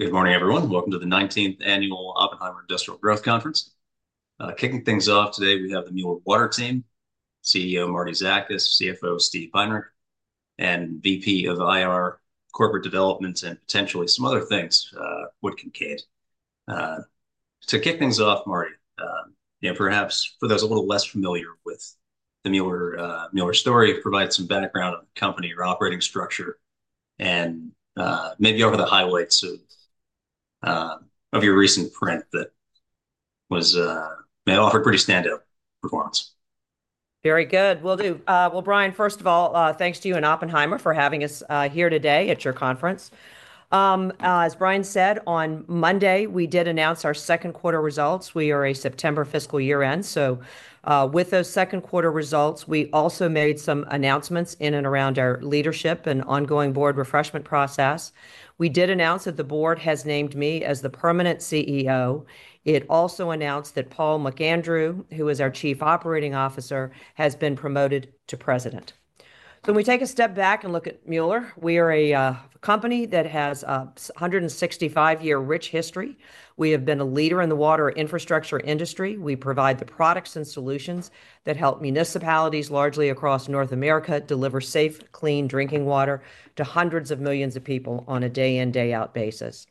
Good morning, everyone. Welcome to the 19th annual Oppenheimer Industrial Growth Conference. Kicking things off today, we have the Mueller Water team, CEO Martie Zakas, CFO Steve Heinrichs, and VP of IR Corporate Development and potentially some other things, Whit Kincaid. To kick things off, Martie, perhaps for those a little less familiar with the Mueller story, provide some background on the company, your operating structure, and maybe offer the highlights of your recent print that may have offered pretty standout performance. Very good. Will do. Well, Bryan, first of all, thanks to you and Oppenheimer for having us here today at your conference. As Bryan said, on Monday we did announce our second quarter results. We are a September fiscal year-end, so with those second quarter results, we also made some announcements in and around our leadership and ongoing board refreshment process. We did announce that the board has named me as the permanent CEO. It also announced that Paul McAndrew, who is our Chief Operating Officer, has been promoted to President. So when we take a step back and look at Mueller, we are a company that has a 165-year rich history. We have been a leader in the water infrastructure industry. We provide the products and solutions that help municipalities, largely across North America, deliver safe, clean drinking water to hundreds of millions of people on a day-in, day-out basis.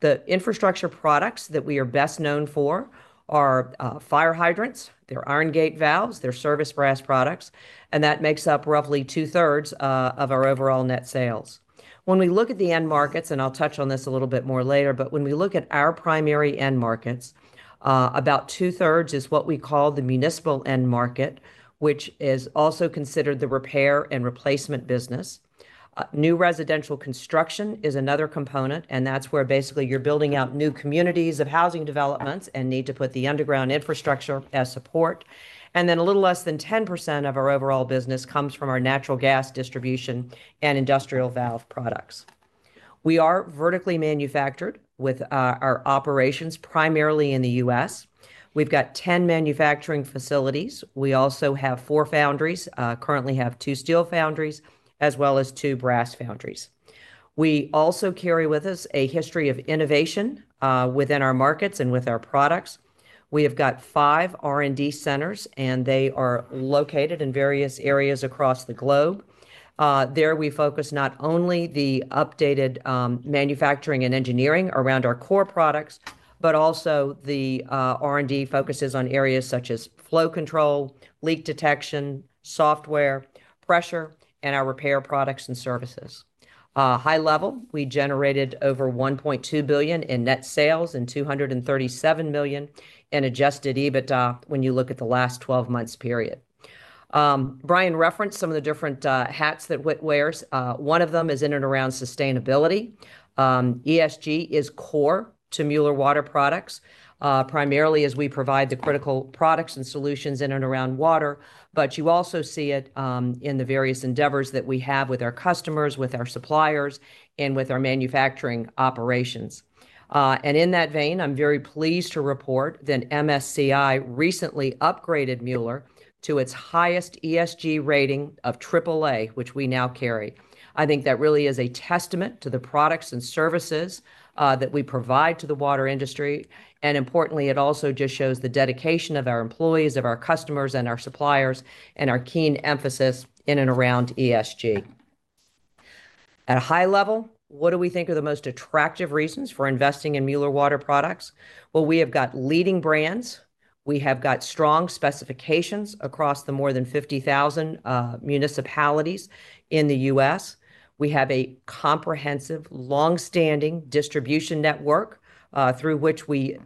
The infrastructure products that we are best known for are fire hydrants. They're iron gate valves. They're service brass products. And that makes up roughly two-thirds of our overall net sales. When we look at the end markets, and I'll touch on this a little bit more later, but when we look at our primary end markets, about two-thirds is what we call the municipal end market, which is also considered the repair and replacement business. New residential construction is another component, and that's where basically you're building out new communities of housing developments and need to put the underground infrastructure as support. And then a little less than 10% of our overall business comes from our natural gas distribution and industrial valve products. We are vertically manufactured with our operations primarily in the U.S. We've got 10 manufacturing facilities. We also have four foundries, currently have two steel foundries, as well as two brass foundries. We also carry with us a history of innovation within our markets and with our products. We have got five R&D centers, and they are located in various areas across the globe. There we focus not only the updated manufacturing and engineering around our core products, but also the R&D focuses on areas such as flow control, leak detection, software, pressure, and our repair products and services. High level, we generated over $1.2 billion in net sales and $237 million in adjusted EBITDA when you look at the last 12-month period. Bryan referenced some of the different hats that Whit wears. One of them is in and around sustainability. ESG is core to Mueller Water Products, primarily as we provide the critical products and solutions in and around water, but you also see it in the various endeavors that we have with our customers, with our suppliers, and with our manufacturing operations. In that vein, I'm very pleased to report that MSCI recently upgraded Mueller to its highest ESG rating of AAA, which we now carry. I think that really is a testament to the products and services that we provide to the water industry. Importantly, it also just shows the dedication of our employees, of our customers, and our suppliers, and our keen emphasis in and around ESG. At a high level, what do we think are the most attractive reasons for investing in Mueller Water Products? Well, we have got leading brands. We have got strong specifications across the more than 50,000 municipalities in the U.S. We have a comprehensive, longstanding distribution network through which we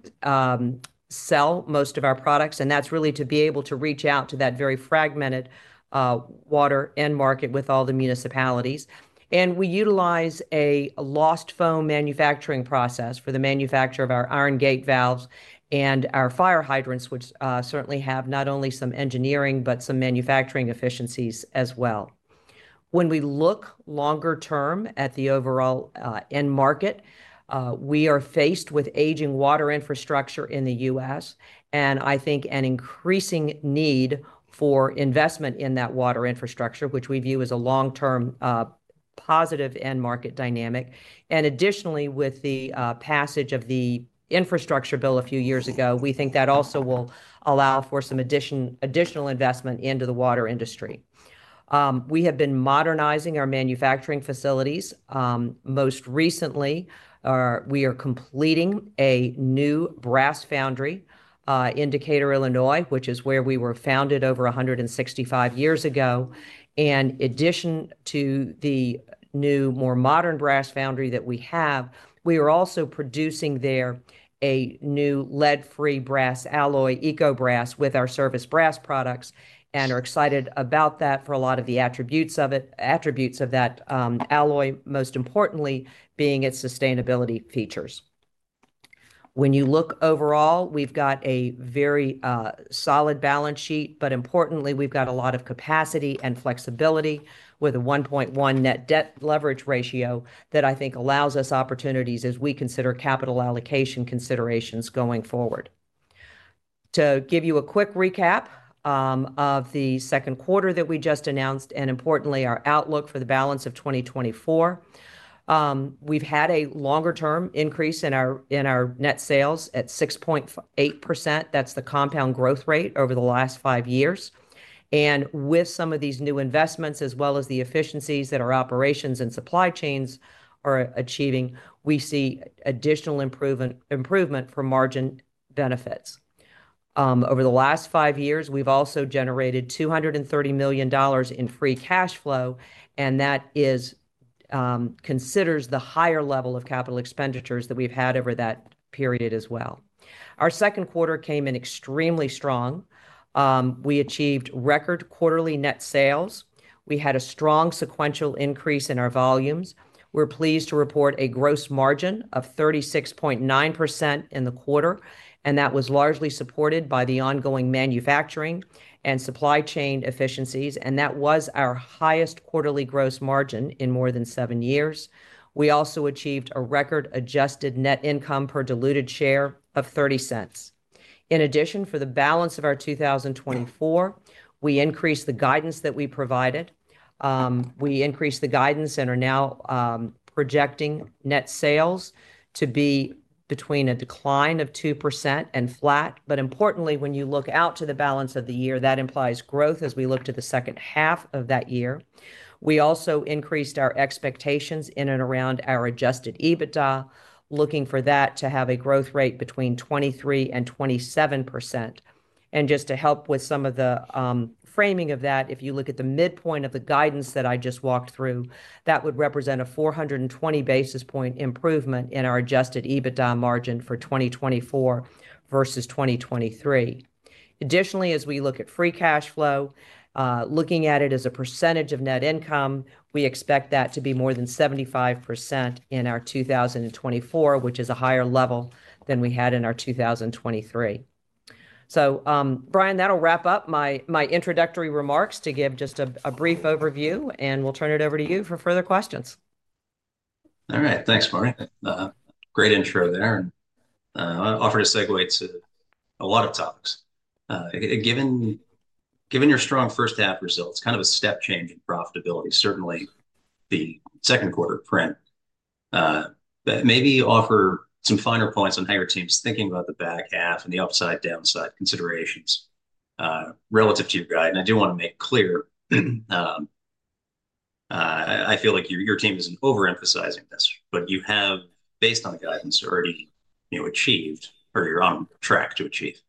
sell most of our products, and that's really to be able to reach out to that very fragmented water end market with all the municipalities. And we utilize a lost foam manufacturing process for the manufacture of our iron gate valves and our fire hydrants, which certainly have not only some engineering but some manufacturing efficiencies as well. When we look longer term at the overall end market, we are faced with aging water infrastructure in the U.S. and I think an increasing need for investment in that water infrastructure, which we view as a long-term positive end market dynamic. Additionally, with the passage of the infrastructure bill a few years ago, we think that also will allow for some additional investment into the water industry. We have been modernizing our manufacturing facilities. Most recently, we are completing a new brass foundry, Decatur, Illinois, which is where we were founded over 165 years ago. In addition to the new, more modern brass foundry that we have, we are also producing there a new lead-free brass alloy, Eco Brass, with our service brass products and are excited about that for a lot of the attributes of that alloy, most importantly being its sustainability features. When you look overall, we've got a very solid balance sheet, but importantly, we've got a lot of capacity and flexibility with a 1.1 net debt leverage ratio that I think allows us opportunities as we consider capital allocation considerations going forward. To give you a quick recap of the second quarter that we just announced and importantly our outlook for the balance of 2024, we've had a longer-term increase in our net sales at 6.8%. That's the compound growth rate over the last five years. And with some of these new investments as well as the efficiencies that our operations and supply chains are achieving, we see additional improvement for margin benefits. Over the last five years, we've also generated $230 million in free cash flow, and that considers the higher level of capital expenditures that we've had over that period as well. Our second quarter came in extremely strong. We achieved record quarterly net sales. We had a strong sequential increase in our volumes. We're pleased to report a gross margin of 36.9% in the quarter, and that was largely supported by the ongoing manufacturing and supply chain efficiencies, and that was our highest quarterly gross margin in more than seven years. We also achieved a record adjusted net income per diluted share of $0.30. In addition, for the balance of our 2024, we increased the guidance that we provided. We increased the guidance and are now projecting net sales to be between a decline of 2% and flat. But importantly, when you look out to the balance of the year, that implies growth as we look to the second half of that year. We also increased our expectations in and around our adjusted EBITDA, looking for that to have a growth rate between 23%-27%. Just to help with some of the framing of that, if you look at the midpoint of the guidance that I just walked through, that would represent a 420 basis point improvement in our adjusted EBITDA margin for 2024 versus 2023. Additionally, as we look at free cash flow, looking at it as a percentage of net income, we expect that to be more than 75% in our 2024, which is a higher level than we had in our 2023. So, Bryan, that'll wrap up my introductory remarks to give just a brief overview, and we'll turn it over to you for further questions. All right. Thanks, Martie. Great intro there, and offered to segue to a lot of topics. Given your strong first-half results, kind of a step change in profitability, certainly the second quarter print, maybe offer some finer points on how your team's thinking about the back half and the upside-downside considerations relative to your guide. And I do want to make clear, I feel like your team isn't overemphasizing this, but you have, based on the guidance, already achieved or you're on track to achieve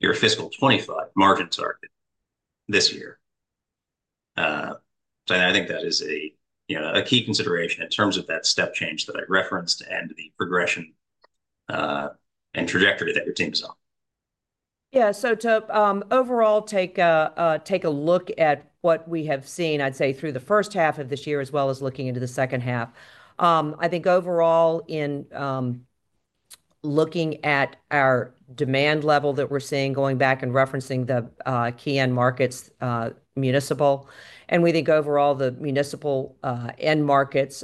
your fiscal 2025 margin target this year. So I think that is a key consideration in terms of that step change that I referenced and the progression and trajectory that your team is on. Yeah. So to overall take a look at what we have seen, I'd say, through the first half of this year as well as looking into the second half, I think overall in looking at our demand level that we're seeing going back and referencing the key end markets, municipal, and we think overall the municipal end markets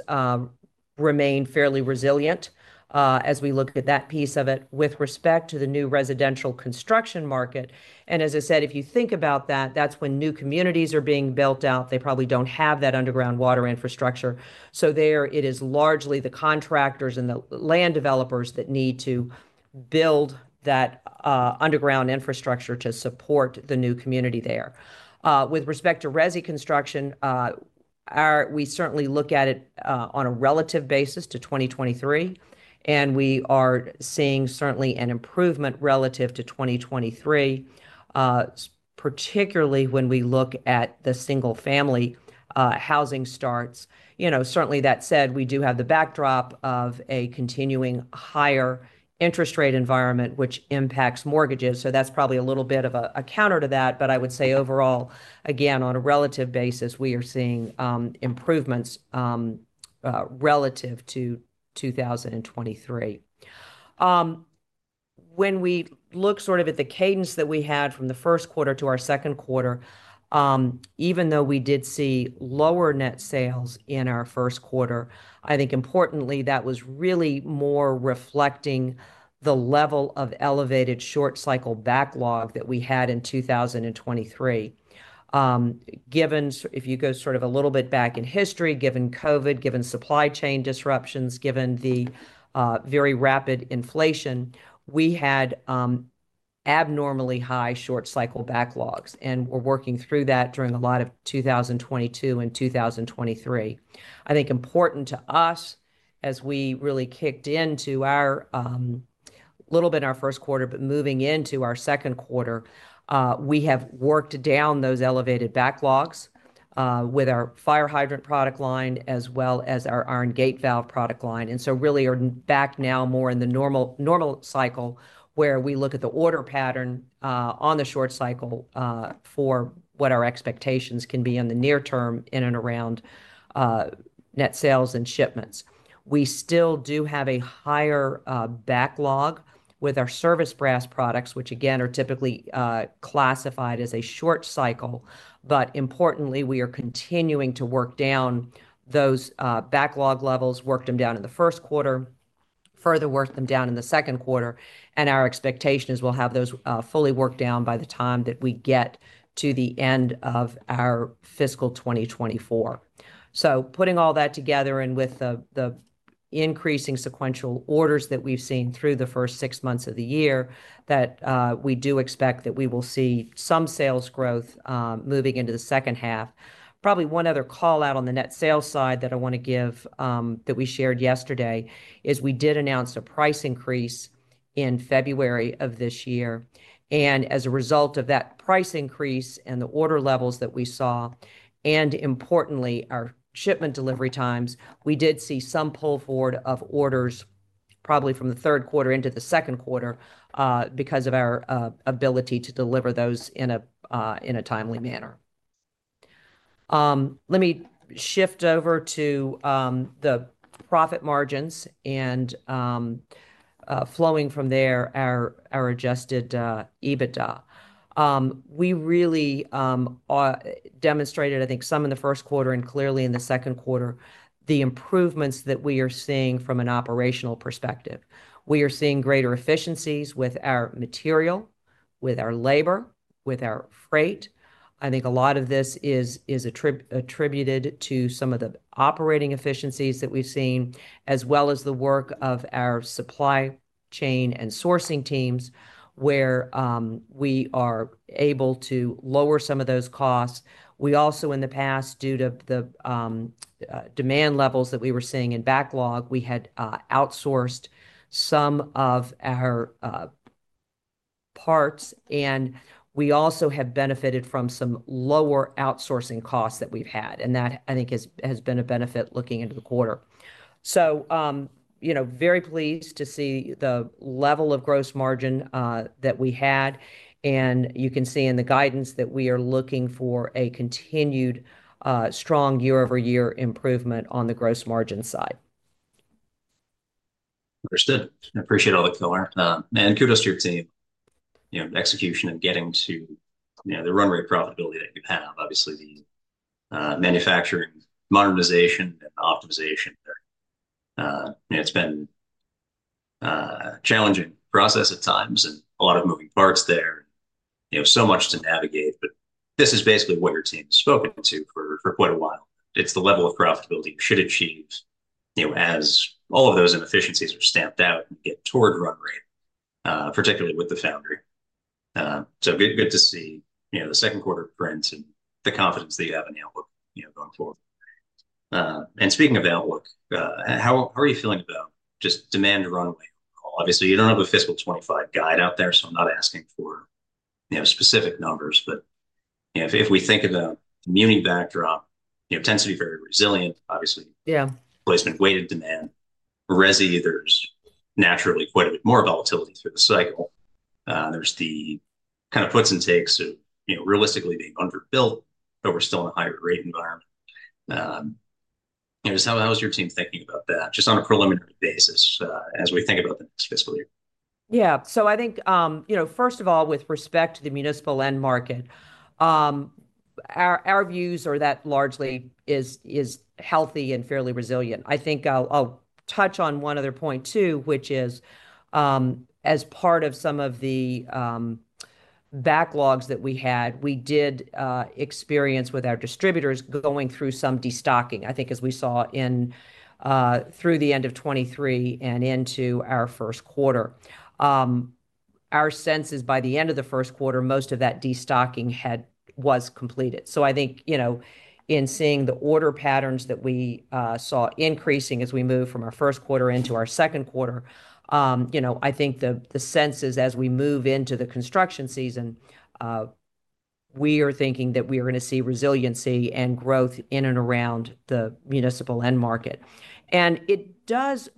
remain fairly resilient as we look at that piece of it with respect to the new residential construction market. As I said, if you think about that, that's when new communities are being built out. They probably don't have that underground water infrastructure. So there it is largely the contractors and the land developers that need to build that underground infrastructure to support the new community there. With respect to resi construction, we certainly look at it on a relative basis to 2023, and we are seeing certainly an improvement relative to 2023, particularly when we look at the single-family housing starts. Certainly, that said, we do have the backdrop of a continuing higher interest rate environment, which impacts mortgages. So that's probably a little bit of a counter to that. But I would say overall, again, on a relative basis, we are seeing improvements relative to 2023. When we look sort of at the cadence that we had from the first quarter to our second quarter, even though we did see lower net sales in our first quarter, I think importantly, that was really more reflecting the level of elevated short-cycle backlog that we had in 2023. If you go sort of a little bit back in history, given COVID, given supply chain disruptions, given the very rapid inflation, we had abnormally high short-cycle backlogs and were working through that during a lot of 2022 and 2023. I think important to us, as we really kicked into our little bit in our first quarter, but moving into our second quarter, we have worked down those elevated backlogs with our fire hydrant product line as well as our iron gate valve product line. And so really are back now more in the normal cycle where we look at the order pattern on the short cycle for what our expectations can be in the near term in and around net sales and shipments. We still do have a higher backlog with our service brass products, which again are typically classified as a short cycle. But importantly, we are continuing to work down those backlog levels, worked them down in the first quarter, further worked them down in the second quarter. Our expectation is we'll have those fully worked down by the time that we get to the end of our fiscal 2024. Putting all that together and with the increasing sequential orders that we've seen through the first six months of the year, we do expect that we will see some sales growth moving into the second half. Probably one other callout on the net sales side that I want to give that we shared yesterday is we did announce a price increase in February of this year. As a result of that price increase and the order levels that we saw, and importantly, our shipment delivery times, we did see some pull forward of orders probably from the third quarter into the second quarter because of our ability to deliver those in a timely manner. Let me shift over to the profit margins and flowing from there our adjusted EBITDA. We really demonstrated, I think, some in the first quarter and clearly in the second quarter, the improvements that we are seeing from an operational perspective. We are seeing greater efficiencies with our material, with our labor, with our freight. I think a lot of this is attributed to some of the operating efficiencies that we've seen as well as the work of our supply chain and sourcing teams where we are able to lower some of those costs. We also, in the past, due to the demand levels that we were seeing in backlog, we had outsourced some of our parts. We also have benefited from some lower outsourcing costs that we've had. That, I think, has been a benefit looking into the quarter. Very pleased to see the level of gross margin that we had. You can see in the guidance that we are looking for a continued strong year-over-year improvement on the gross margin side. Understood. I appreciate all the color. Kudos to your team execution and getting to the run-rate profitability that you have. Obviously, the manufacturing modernization and optimization there, it's been a challenging process at times and a lot of moving parts there and so much to navigate. But this is basically what your team has spoken to for quite a while. It's the level of profitability you should achieve as all of those inefficiencies are stamped out and get toward run rate, particularly with the foundry. So good to see the second quarter print and the confidence that you have in the outlook going forward. Speaking of outlook, how are you feeling about just demand runway overall? Obviously, you don't have a fiscal 2025 guide out there, so I'm not asking for specific numbers. But if we think about the muni backdrop, it's been very resilient, obviously, placement-weighted demand. Resi, there's naturally quite a bit more volatility through the cycle. There's the kind of puts and takes of realistically being underbuilt, but we're still in a higher rate environment. How is your team thinking about that just on a preliminary basis as we think about the next fiscal year? Yeah. So I think, first of all, with respect to the municipal end market, our views are that largely is healthy and fairly resilient. I think I'll touch on one other point too, which is as part of some of the backlogs that we had, we did experience with our distributors going through some destocking, I think, as we saw through the end of 2023 and into our first quarter. Our sense is by the end of the first quarter, most of that destocking was completed. So I think in seeing the order patterns that we saw increasing as we move from our first quarter into our second quarter, I think the sense is as we move into the construction season, we are thinking that we are going to see resiliency and growth in and around the municipal end market. And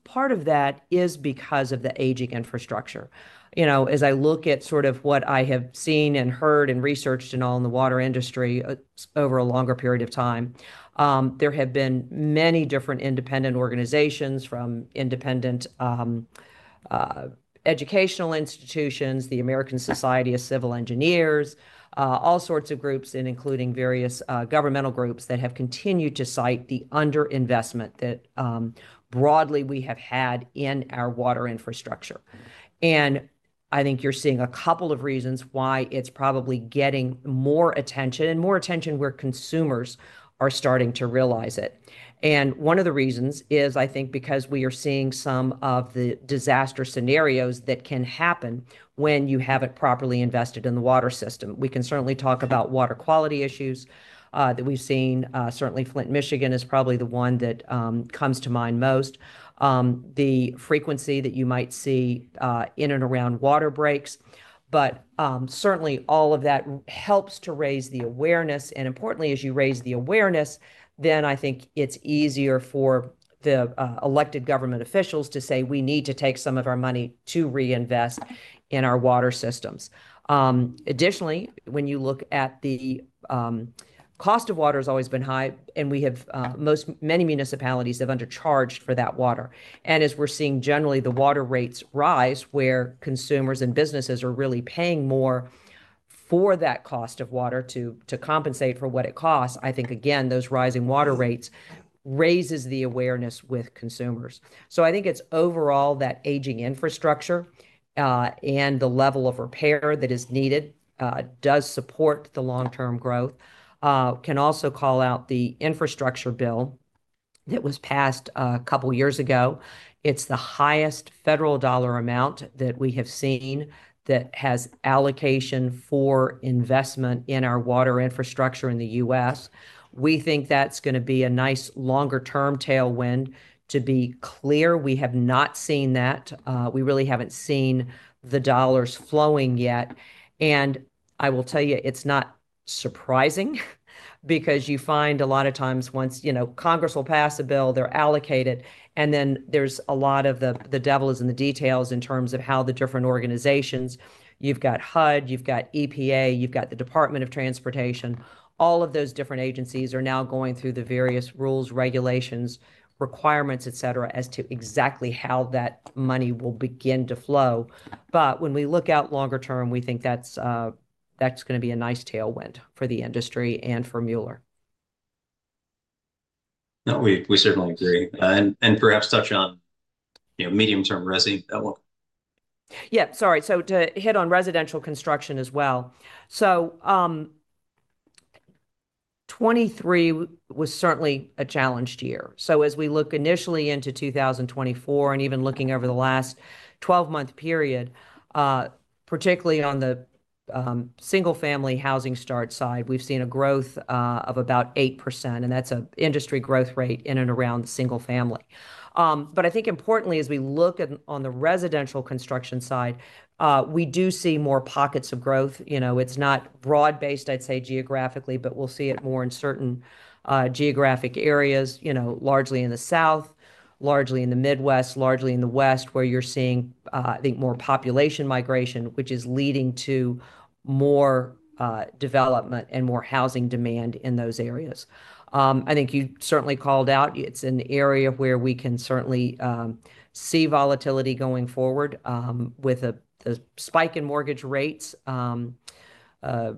part of that is because of the aging infrastructure. As I look at sort of what I have seen and heard and researched and all in the water industry over a longer period of time, there have been many different independent organizations from independent educational institutions, the American Society of Civil Engineers, all sorts of groups and including various governmental groups that have continued to cite the underinvestment that broadly we have had in our water infrastructure. I think you're seeing a couple of reasons why it's probably getting more attention and more attention where consumers are starting to realize it. One of the reasons is, I think, because we are seeing some of the disaster scenarios that can happen when you haven't properly invested in the water system. We can certainly talk about water quality issues that we've seen. Certainly, Flint, Michigan, is probably the one that comes to mind most, the frequency that you might see in and around water breaks. Certainly, all of that helps to raise the awareness. Importantly, as you raise the awareness, then I think it's easier for the elected government officials to say, "We need to take some of our money to reinvest in our water systems." Additionally, when you look at the cost of water has always been high, and many municipalities have undercharged for that water. As we're seeing generally, the water rates rise where consumers and businesses are really paying more for that cost of water to compensate for what it costs. I think, again, those rising water rates raise the awareness with consumers. I think it's overall that aging infrastructure and the level of repair that is needed does support the long-term growth. Can also call out the Infrastructure Bill that was passed a couple of years ago. It's the highest federal dollar amount that we have seen that has allocation for investment in our water infrastructure in the U.S. We think that's going to be a nice longer-term tailwind. To be clear, we have not seen that. We really haven't seen the dollars flowing yet. And I will tell you, it's not surprising because you find a lot of times once Congress will pass a bill, they're allocated, and then there's a lot of the devil is in the details in terms of how the different organizations you've got HUD, you've got EPA, you've got the Department of Transportation, all of those different agencies are now going through the various rules, regulations, requirements, etc., as to exactly how that money will begin to flow. But when we look out longer term, we think that's going to be a nice tailwind for the industry and for Mueller. No, we certainly agree. And perhaps touch on medium-term resi outlook. Yeah. Sorry. So to hit on residential construction as well. So 2023 was certainly a challenged year. So as we look initially into 2024 and even looking over the last 12-month period, particularly on the single-family housing start side, we've seen a growth of about 8%. And that's an industry growth rate in and around single-family. But I think importantly, as we look on the residential construction side, we do see more pockets of growth. It's not broad-based, I'd say, geographically, but we'll see it more in certain geographic areas, largely in the South, largely in the Midwest, largely in the West, where you're seeing, I think, more population migration, which is leading to more development and more housing demand in those areas. I think you certainly called out it's an area where we can certainly see volatility going forward with the spike in mortgage rates. A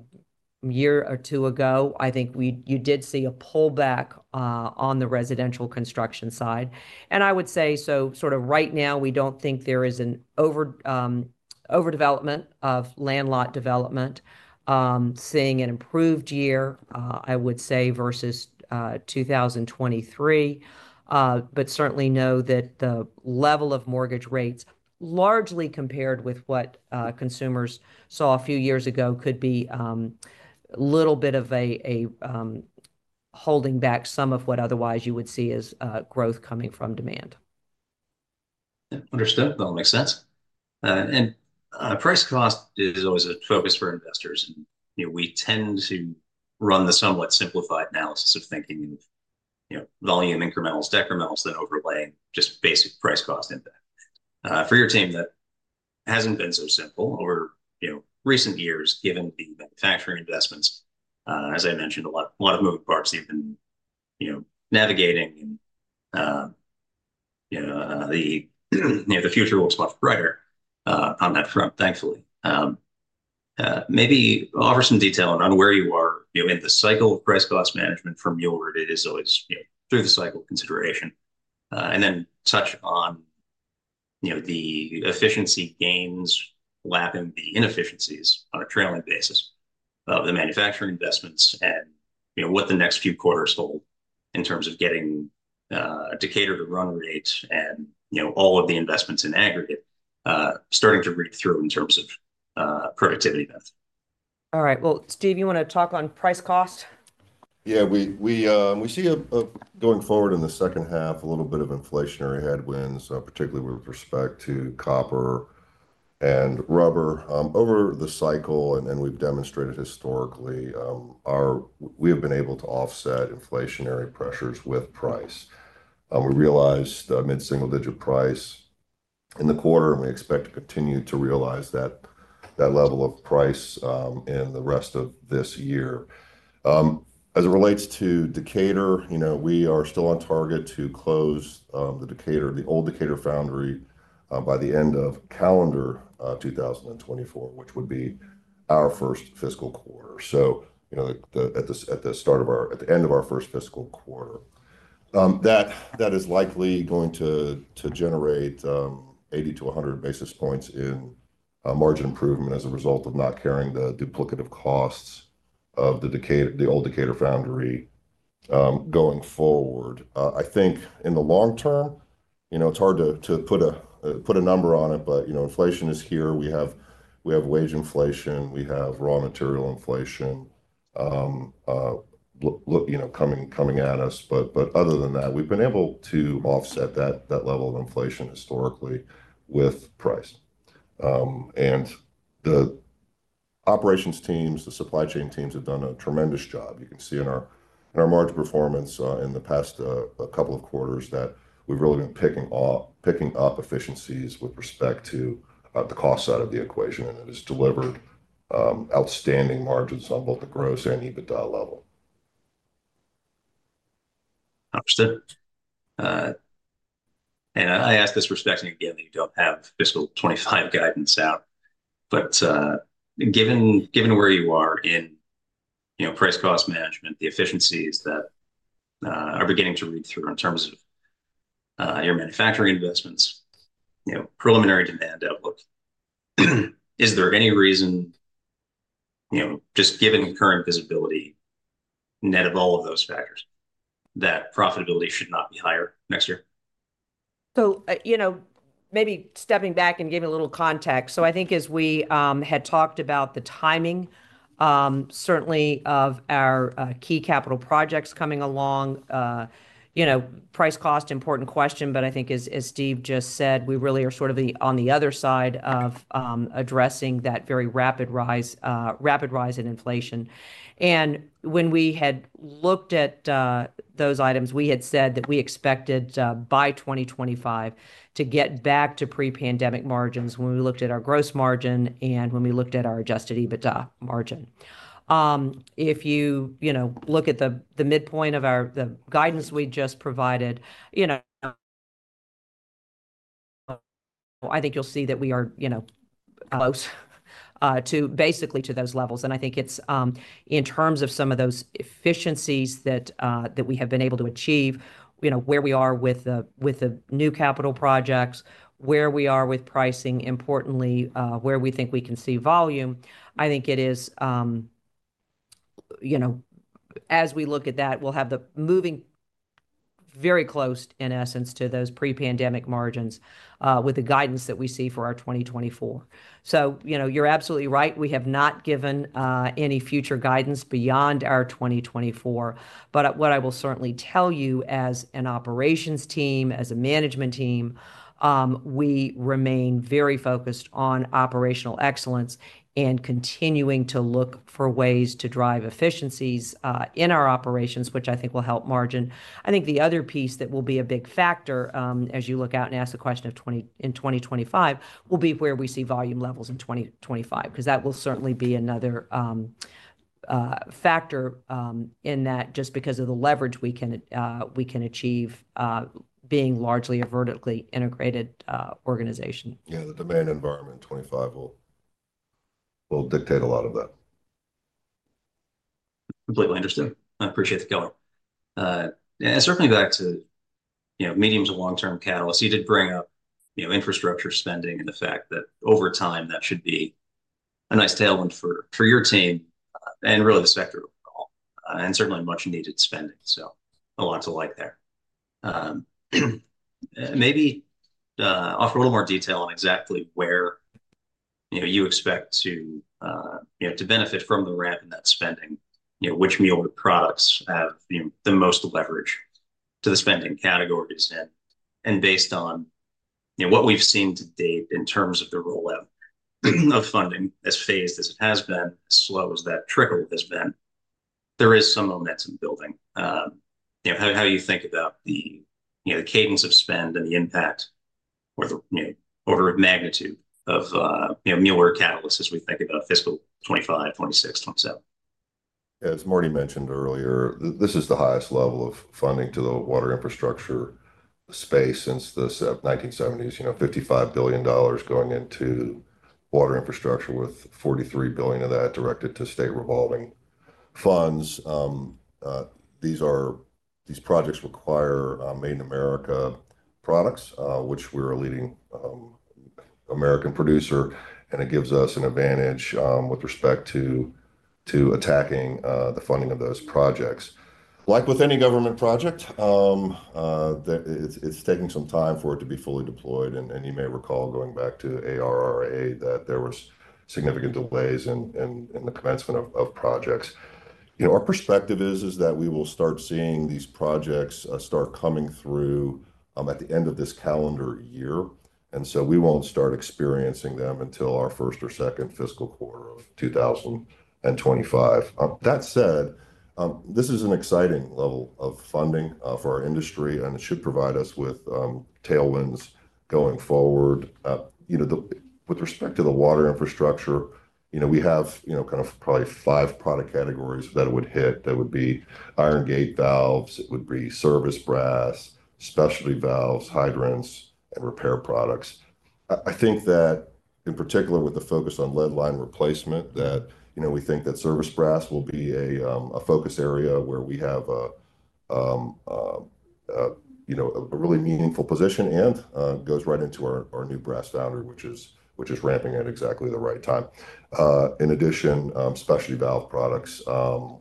year or two ago, I think you did see a pullback on the residential construction side. I would say so sort of right now, we don't think there is an overdevelopment of land brilot development, seeing an improved year, I would say, versus 2023. But certainly know that the level of mortgage rates, largely compared with what consumers saw a few years ago, could be a little bit of holding back some of what otherwise you would see as growth coming from demand. Understood. That all makes sense. Price cost is always a focus for investors. We tend to run the somewhat simplified analysis of thinking of volume incrementals, decrementals, then overlaying just basic price cost impact. For your team, that hasn't been so simple over recent years given the manufacturing investments. As I mentioned, a lot of moving parts, even navigating and the future looks much brighter on that front, thankfully. Maybe offer some detail on where you are in the cycle of price cost management from Mueller. It is always through the cycle consideration. Then touch on the efficiency gains lapping the inefficiencies on a trailing basis of the manufacturing investments and what the next few quarters hold in terms of getting to a run rate and all of the investments in aggregate starting to read through in terms of productivity depth. All right. Well, Steve, you want to talk on price cost? Yeah. We see going forward in the second half a little bit of inflationary headwinds, particularly with respect to copper and rubber. Over the cycle, and we've demonstrated historically, we have been able to offset inflationary pressures with price. We realized mid-single-digit price in the quarter, and we expect to continue to realize that level of price in the rest of this year. As it relates to Decatur, we are still on target to close the old Decatur foundry by the end of calendar 2024, which would be our first fiscal quarter. So at the end of our first fiscal quarter, that is likely going to generate 80 basis points-100 basis points in margin improvement as a result of not carrying the duplicative costs of the old Decatur foundry going forward. I think in the long term, it's hard to put a number on it, but inflation is here. We have wage inflation. We have raw material inflation coming at us. But other than that, we've been able to offset that level of inflation historically with price. And the operations teams, the supply chain teams have done a tremendous job. You can see in our margin performance in the past couple of quarters that we've really been picking up efficiencies with respect to the cost side of the equation. And it has delivered outstanding margins on both the gross and EBITDA level. Understood. And I ask this respecting again that you don't have fiscal 2025 guidance out. But given where you are in price cost management, the efficiencies that are beginning to read through in terms of your manufacturing investments, preliminary demand outlook, is there any reason, just given current visibility net of all of those factors, that profitability should not be higher next year? So maybe stepping back and giving a little context. So I think as we had talked about the timing, certainly, of our key capital projects coming along, price cost, important question. But I think, as Steve just said, we really are sort of on the other side of addressing that very rapid rise in inflation. And when we had looked at those items, we had said that we expected by 2025 to get back to pre-pandemic margins when we looked at our gross margin and when we looked at our adjusted EBITDA margin. If you look at the midpoint of the guidance we just provided, I think you'll see that we are close to basically to those levels. I think it's in terms of some of those efficiencies that we have been able to achieve, where we are with the new capital projects, where we are with pricing, importantly, where we think we can see volume, I think it is as we look at that, we'll have the moving very close, in essence, to those pre-pandemic margins with the guidance that we see for our 2024. You're absolutely right. We have not given any future guidance beyond our 2024. What I will certainly tell you as an operations team, as a management team, we remain very focused on operational excellence and continuing to look for ways to drive efficiencies in our operations, which I think will help margin. I think the other piece that will be a big factor as you look out and ask the question in 2025 will be where we see volume levels in 2025 because that will certainly be another factor in that just because of the leverage we can achieve being largely a vertically integrated organization. Yeah. The demand environment in 2025 will dictate a lot of that. Completely understood. I appreciate the color. Certainly back to medium- to long-term catalysts, you did bring up infrastructure spending and the fact that over time, that should be a nice tailwind for your team and really the sector overall and certainly much-needed spending. A lot to like there. Maybe offer a little more detail on exactly where you expect to benefit from the ramp in that spending, which Mueller products have the most leverage to the spending categories. Based on what we've seen to date in terms of the rollout of funding, as phased as it has been, as slow as that trickle has been, there is some momentum building. How do you think about the cadence of spend and the impact or the overall magnitude of Mueller catalysts as we think about fiscal 2025, 2026, 2027? As Martie mentioned earlier, this is the highest level of funding to the water infrastructure space since the 1970s, $55 billion going into water infrastructure with $43 billion of that directed to state revolving funds. These projects require Made in America products, which we're a leading American producer. It gives us an advantage with respect to attacking the funding of those projects. Like with any government project, it's taking some time for it to be fully deployed. You may recall going back to ARRA that there were significant delays in the commencement of projects. Our perspective is that we will start seeing these projects start coming through at the end of this calendar year. So we won't start experiencing them until our first or second fiscal quarter of 2025. That said, this is an exciting level of funding for our industry, and it should provide us with tailwinds going forward. With respect to the water infrastructure, we have kind of probably five product categories that it would hit. That would be iron gate valves. It would be service brass, specialty valves, hydrants, and repair products. I think that in particular with the focus on lead line replacement, that we think that service brass will be a focus area where we have a really meaningful position and goes right into our new brass foundry, which is ramping at exactly the right time. In addition, specialty valve products,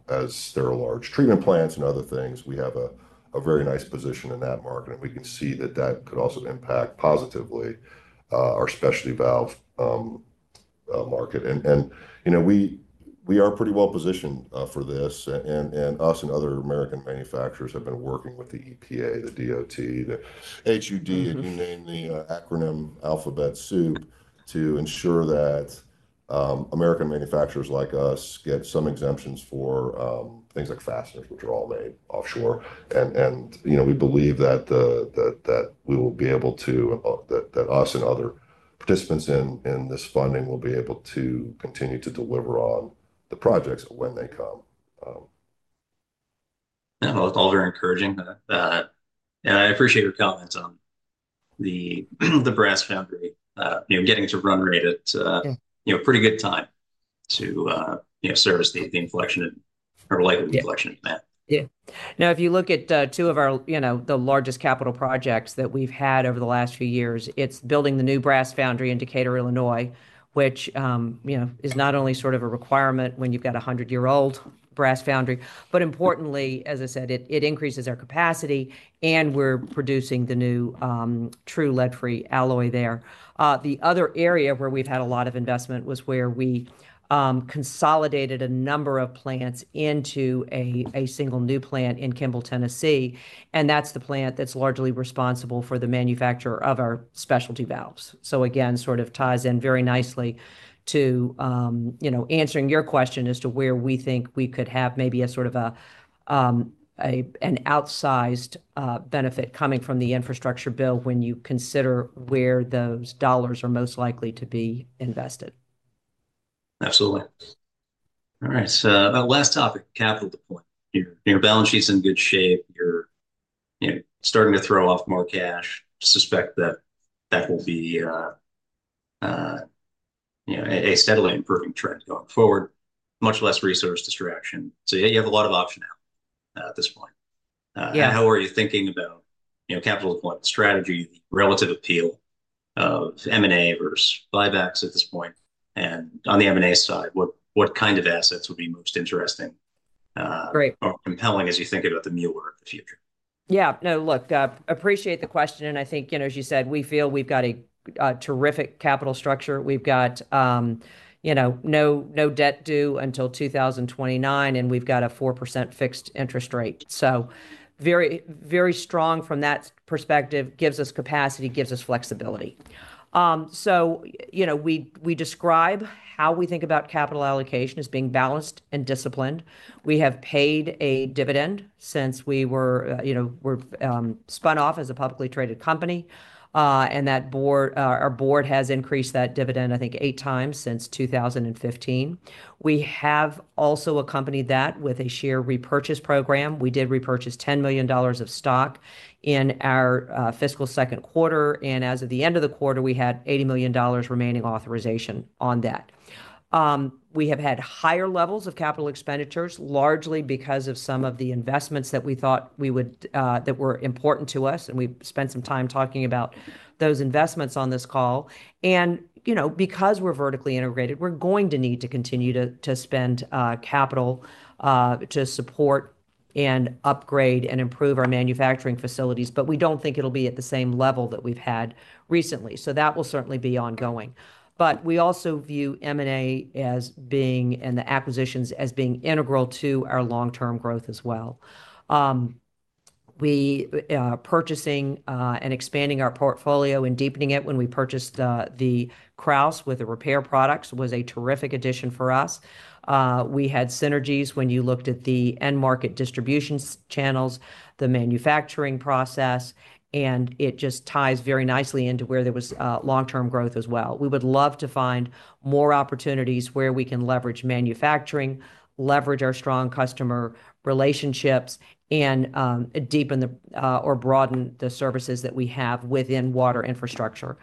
as there are large treatment plants and other things, we have a very nice position in that market. And we can see that that could also impact positively our specialty valve market. And we are pretty well positioned for this. Us and other American manufacturers have been working with the EPA, the DOT, the HUD, and you name the acronym alphabet soup to ensure that American manufacturers like us get some exemptions for things like fasteners, which are all made offshore. We believe that we will be able to, that us and other participants in this funding will be able to continue to deliver on the projects when they come. Yeah. Well, it's all very encouraging. I appreciate your comments on the brass foundry, getting to run rate at a pretty good time to service the inflection or likely inflection demand. Yeah. Now, if you look at two of the largest capital projects that we've had over the last few years, it's building the new brass foundry in Decatur, Illinois, which is not only sort of a requirement when you've got a 100-year-old brass foundry, but importantly, as I said, it increases our capacity, and we're producing the new true lead-free alloy there. The other area where we've had a lot of investment was where we consolidated a number of plants into a single new plant in Kimball, Tennessee. And that's the plant that's largely responsible for the manufacture of our specialty valves. So again, sort of ties in very nicely to answering your question as to where we think we could have maybe sort of an outsized benefit coming from the infrastructure bill when you consider where those dollars are most likely to be invested. Absolutely. All right. So last topic, capital deployment. Your balance sheet's in good shape. You're starting to throw off more cash. Suspect that that will be a steadily improving trend going forward, much less resource distraction. So yeah, you have a lot of optionality at this point. And how are you thinking about capital deployment strategy, the relative appeal of M&A versus buybacks at this point? And on the M&A side, what kind of assets would be most interesting or compelling as you think about the Mueller in the future? Yeah. No, look, appreciate the question. And I think, as you said, we feel we've got a terrific capital structure. We've got no debt due until 2029, and we've got a 4% fixed interest rate. So very strong from that perspective, gives us capacity, gives us flexibility. So we describe how we think about capital allocation as being balanced and disciplined. We have paid a dividend since we were spun off as a publicly traded company. And our board has increased that dividend, I think, eight times since 2015. We have also accompanied that with a share repurchase program. We did repurchase $10 million of stock in our fiscal second quarter. And as of the end of the quarter, we had $80 million remaining authorization on that. We have had higher levels of capital expenditures, largely because of some of the investments that we thought that were important to us. We spent some time talking about those investments on this call. Because we're vertically integrated, we're going to need to continue to spend capital to support and upgrade and improve our manufacturing facilities. But we don't think it'll be at the same level that we've had recently. That will certainly be ongoing. But we also view M&A and the acquisitions as being integral to our long-term growth as well. We are purchasing and expanding our portfolio and deepening it. When we purchased the Krausz with the repair products, it was a terrific addition for us. We had synergies when you looked at the end-market distribution channels, the manufacturing process. And it just ties very nicely into where there was long-term growth as well. We would love to find more opportunities where we can leverage manufacturing, leverage our strong customer relationships, and deepen or broaden the services that we have within water infrastructure.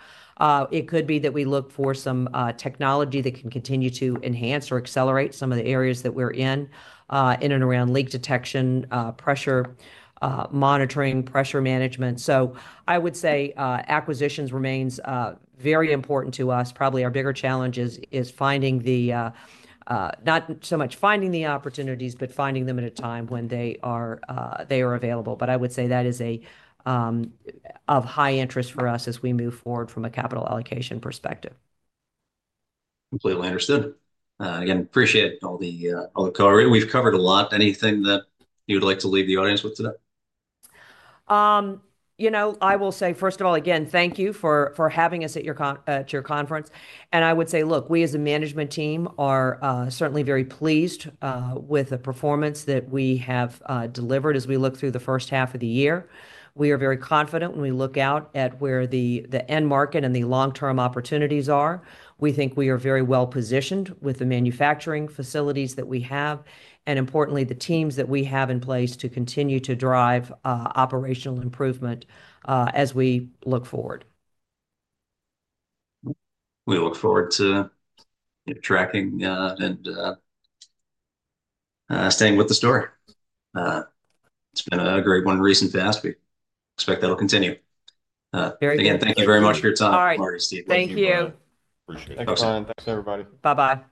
It could be that we look for some technology that can continue to enhance or accelerate some of the areas that we're in, in and around leak detection, pressure monitoring, pressure management. So I would say acquisitions remain very important to us. Probably our bigger challenge is not so much finding the opportunities, but finding them at a time when they are available. But I would say that is of high interest for us as we move forward from a capital allocation perspective. Completely understood. Again, appreciate all the color. We've covered a lot. Anything that you would like to leave the audience with today? I will say, first of all, again, thank you for having us at your conference. I would say, look, we as a management team are certainly very pleased with the performance that we have delivered as we look through the first half of the year. We are very confident when we look out at where the end market and the long-term opportunities are. We think we are very well positioned with the manufacturing facilities that we have and, importantly, the teams that we have in place to continue to drive operational improvement as we look forward. We look forward to tracking and staying with the story. It's been a great one recent past week. Expect that'll continue. Very good. Again, thank you very much for your time, Martie, Steve. All right. Thank you. Thank you. Thanks, everybody. Bye-bye.